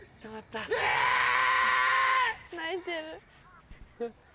泣いてる。